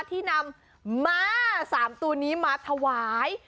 ที่นำม่า๓ตัวนี้มาถวาย